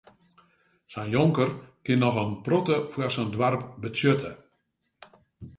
Sa'n jonker kin noch in protte foar sa'n doarp betsjutte.